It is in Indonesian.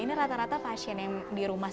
ini rata rata pasien yang di rumah